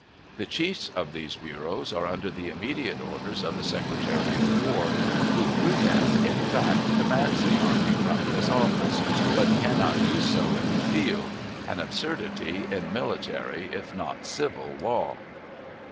The chiefs of these bureaus are under the immediate orders of the Secretary of War, who, through them, in fact commands the army from "his office," but cannot do so "in the field" an absurdity in military if not civil law.